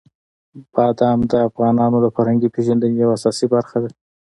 بادام د افغانانو د فرهنګي پیژندنې یوه اساسي برخه ده.